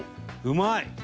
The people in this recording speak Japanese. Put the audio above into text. うまい！